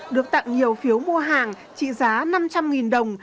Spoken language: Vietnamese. được tặng nhiều phiếu mua hàng trị giá năm trăm linh đồng